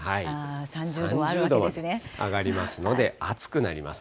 ３０度まで上がりますので、暑くなります。